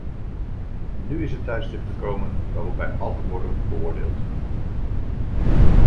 Nu is het tijdstip gekomen waarop wij allen worden beoordeeld.